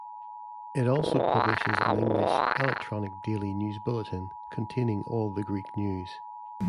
It also publishes an English 'Electronic Daily News Bulletin' containing all the Greek news.